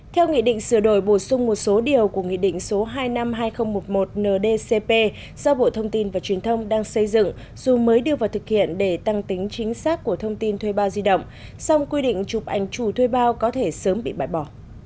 theo nghị định sửa đổi bổ sung một số điều của nghị định số hai trăm năm mươi hai nghìn một mươi một ndcp do bộ thông tin và truyền thông đang xây dựng dù mới đưa vào thực hiện để tăng tính chính xác của thông tin thuê bao di động song quy định chụp ảnh chủ thuê bao có thể sớm bị bãi bỏ